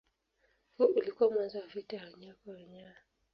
Huo ulikuwa mwanzo wa vita ya wenyewe kwa wenyewe.